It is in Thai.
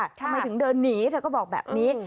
ทำไมถึงเดินหนีเธอก็บอกแบบนี้